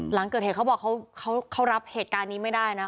หลังเกิดเหตุเขาบอกเขารับเหตุการณ์นี้ไม่ได้นะ